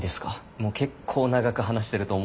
もう結構長く話してると思う。